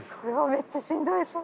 めっちゃしんどそう。